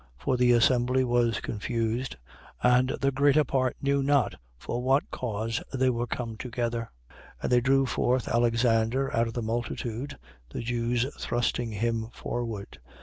For the assembly was confused: and the greater part knew not for what cause they were come together. 19:33. And they drew forth Alexander out of the multitude, the Jews thrusting him forward.